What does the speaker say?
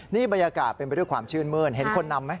นี่บรรยากาศเป็นไปด้วยความชื่นมื้นเห็นคนนำไหม